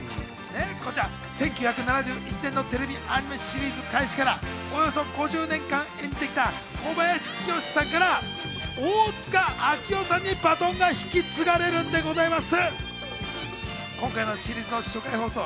１９７１年のテレビアニメシリーズ開始からおよそ５０年間演じてきた小林清志さんから大塚明夫さんにバトンが引き継がれます。